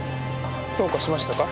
どうかしましたか？